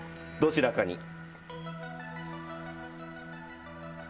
どちらかに。